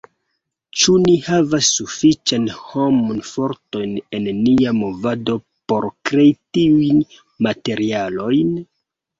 Ĉu ni havas sufiĉajn hom-fortojn en nia movado por krei tiujn materialojn?